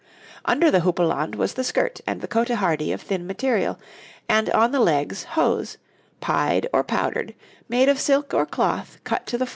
Under the houppelande was the skirt and the cotehardie of thin material, and on the legs hose, pied or powdered, made of silk or cloth cut to the form and sewn.